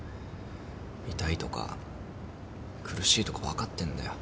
痛いとか苦しいとか分かってんだよ。